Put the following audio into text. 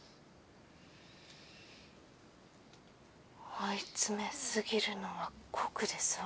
追い詰め過ぎるのは酷ですわ。